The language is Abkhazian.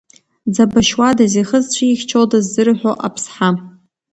Дзабашьуадаз, ихы зцәихьчодаз зырҳәо аԥсҳа.